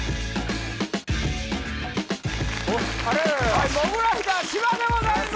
・あらららはいモグライダー芝でございます